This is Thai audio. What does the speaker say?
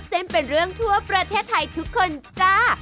เส้นเป็นเรื่องทั่วประเทศไทยทุกคนจ้า